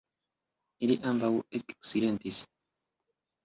Ili ambaŭ eksilentis.